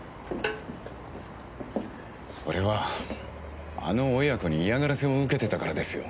それはあの親子に嫌がらせを受けてたからですよ。